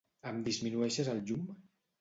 Em disminueixes el llum?